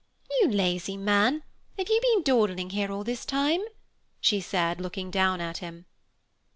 "You lazy man, have you been dawdling here all this time?" she said, looking down at him.